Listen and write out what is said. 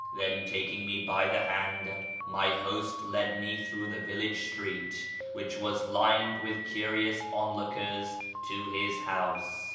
Then, taking me by the hand, my host led me through the village street, which was lined with curious onlookers, to his house.